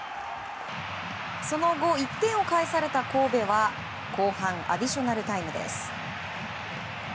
その後１点を返された神戸は後半アディショナルタイムです。